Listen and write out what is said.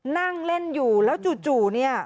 นั่งเล่นอยู่แล้วจู่เนี่ย